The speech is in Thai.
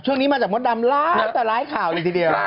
ช่วงนี้มาจากมดดำหลายต่อหลายข่าวเลยทีเดียว